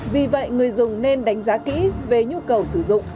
vì vậy người dùng nên đánh giá kỹ về nhu cầu sử dụng